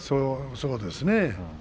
そうですね。